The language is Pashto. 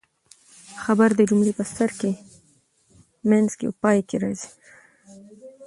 خبر د جملې په سر، منځ او پای کښي راځي.